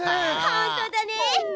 本当だね！